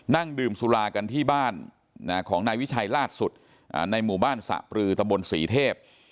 นั่งดื่มสุรากันที่บ้านของนายวิชัยล่าสุดในหมู่บ้านสะปลือตะบนศรีเทพ